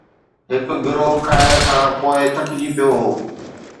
هڪ گروهه کائڻ کان پوءِ ٿڪجي پيو هو